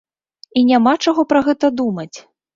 І няма чаго пра гэта думаць.